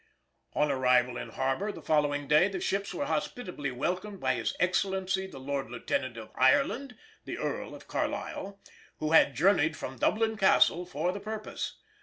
On arrival in harbor the following day, the ships were hospitably welcomed by his Excellency the Lord Lieutenant of Ireland (the Earl of Carlisle), who had journeyed from Dublin Castle for the purpose.